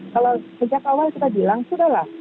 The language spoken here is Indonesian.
kalau sejak awal kita bilang sudah lah